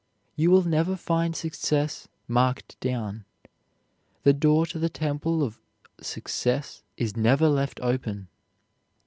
You will never find success "marked down." The door to the temple of success is never left open.